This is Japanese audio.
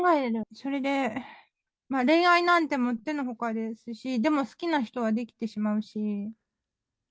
それで恋愛なんてもってのほかですし、でも好きな人はできてしまうし。